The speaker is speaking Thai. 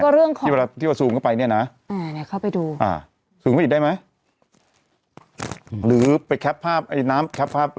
เรื่องของติกที่อีกได้มั้ย